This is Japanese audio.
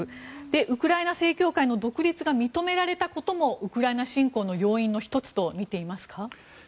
ウクライナ正教会の独立が認められたこともウクライナ侵攻の要因の１つと見ていますか。